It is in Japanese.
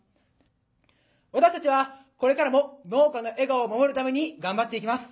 私たちはこれからも農家の笑顔を守るために頑張っていきます。